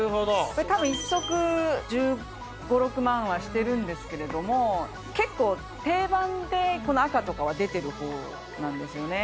これたぶん、１足１５、６万はしてるんですけども、結構、定番でこの赤とかは出てるのなんですよね。